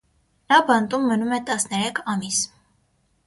Նա բանտում մնում է տասներեք ամիս։